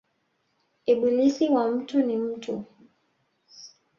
Ibilisi wa mtu ni mtu